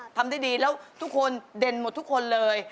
ทำได้ดีแล้วทุกคนเด่นหมดทุกคนเลย